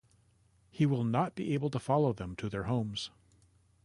He will not be able to follow them to their homes.